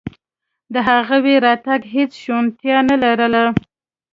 د هغوی راتګ هېڅ شونتیا نه لرله.